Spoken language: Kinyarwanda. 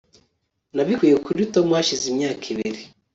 nabikuye kuri tom hashize imyaka ibiri